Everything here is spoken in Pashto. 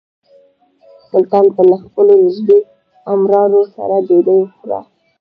سلطان به له خپلو نژدې امراوو سره ډوډۍ خوړه.